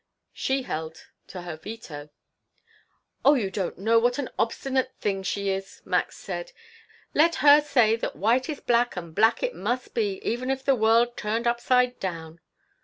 She held to her veto "Oh, you don't know what an obstinate thing she is," Max said. "Let her say that white is black, and black it must be, even if the world turned upside down."